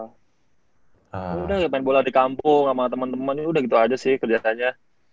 udah main bola di kampung sama temen temen udah gitu aja sih kerjaannya